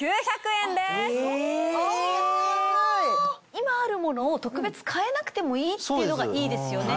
今あるものを特別替えなくてもいいっていうのがいいですよね。